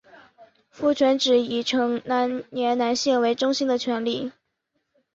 父权指以成年男性为中心的权力。